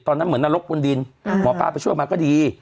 เหมือนนรกบนดินหมอป้าไปช่วยมาก็ดี